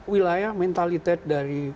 wilayah mentalitas dari